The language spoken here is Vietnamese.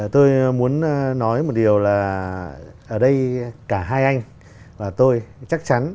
tôi muốn nói một điều là ở đây cả hai anh và tôi chắc chắn